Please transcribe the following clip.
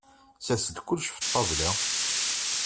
Sers-d kullec ɣef ṭṭabla!